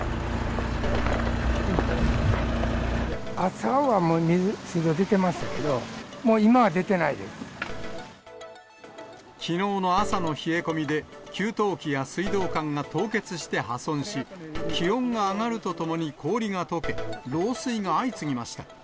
朝はもう、水道出てましたけきのうの朝の冷え込みで、給湯器や水道管が凍結して破損し、気温が上がるとともに氷がとけ、漏水が相次ぎました。